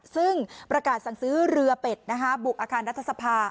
ซึ่งประกาศสั่งซื้อเรือเป็ดบุกอาคารรัฐสภา